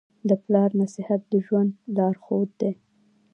د پلار نصیحت د ژوند لارښود دی.